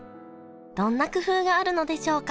どんな工夫があるのでしょうか？